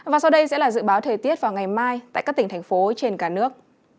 và sau đây sẽ là dự báo thời tiết vào ngày mai tại các tỉnh thành phố trên cả nước